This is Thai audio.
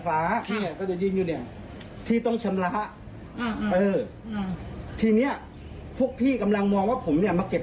ให้ดูบัตรการไฟฟ้าบัตรการไฟฟ้าผมไม่มีครับ